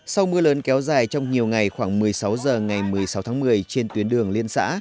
sau mưa lớn kéo dài trong nhiều ngày khoảng một mươi sáu h ngày một mươi sáu tháng một mươi trên tuyến đường liên xã